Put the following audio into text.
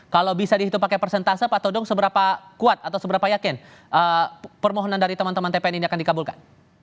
kalau bisa dihitung pakai persentase pak todong seberapa kuat atau seberapa yakin permohonan dari teman teman tpn ini akan dikabulkan